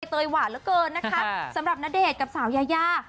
เตยหวานเหลือเกินนะคะสำหรับณเดชน์กับสาวยายา